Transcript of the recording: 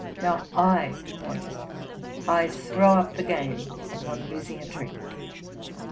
Now I want it: I throw up the game upon losing a trick.'